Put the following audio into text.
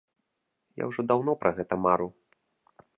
Я ўжо даўно пра гэта мару.